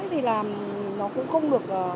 thì là nó cũng không được